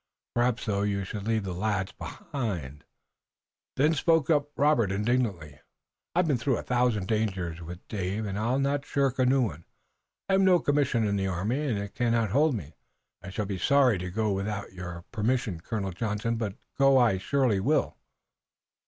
Perhaps, though, you should leave the lads behind." Then up spoke Robert indignantly. "I've been through a thousand dangers with Dave, and I'll not shirk a new one. I have no commission in the army and it cannot hold me. I shall be sorry to go without your permission, Colonel Johnson, but go I surely will."